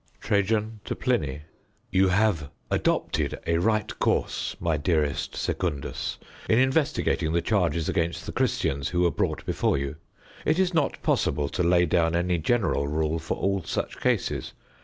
TRAJAN TO PLINY You have adopted a right course, my dearest Secundus, in investigating the charges against the Christians who were brought before you. It is not possible to lay down any general rule for all such cases.